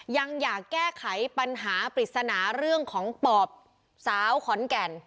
ยังอยากแก้ไขปัญหาปริศนาเรื่องของปอบสาวขอนแก่น